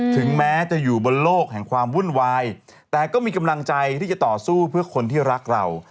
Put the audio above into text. ถึงแม้จะอยู่บนโลกแห่งความวุ่นวายแต่ก็มีกำลังใจที่จะต่อสู้เพื่อคนที่รักเรา